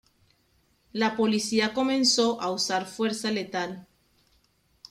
La policía comenzó a usar fuerza letal.